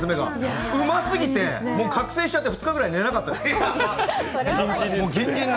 うますぎて、覚醒しちゃって２日ぐらい寝なかったです。